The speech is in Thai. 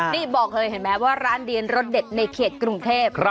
นี่บอกเลยเห็นไหมว่าร้านเดียนรสเด็ดในเขตกรุงเทพ